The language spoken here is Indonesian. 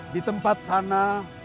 di tempat sana